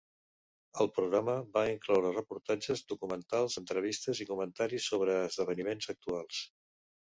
El programa va incloure reportatges documentals, entrevistes i comentaris sobre esdeveniments actuals.